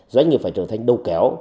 doanh nghiệp phải trở thành đầu kéo